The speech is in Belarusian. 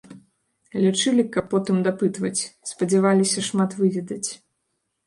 Лячылі, каб потым дапытваць, спадзяваліся шмат выведаць.